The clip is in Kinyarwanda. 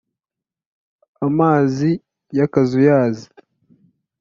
amazi y' akazuyazi